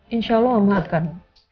insya allah mama akan